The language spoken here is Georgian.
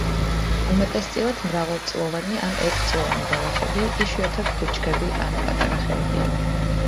უმეტესად მრავალწლოვანი ან ერთწლოვანი ბალახები, იშვიათად ბუჩქები ან პატარა ხეებია.